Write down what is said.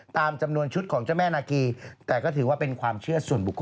ตามจำนวนชุดของเจ้าแม่นาคีแต่ก็ถือว่าเป็นความเชื่อส่วนบุคค